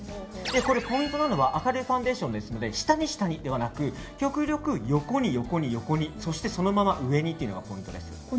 ポイントなのは明るいファンデーションなので下に、下にではなく極力横に横にそして、そのまま上にというのがポイントです。